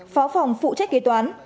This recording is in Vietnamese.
phó phòng phụ trách kế toán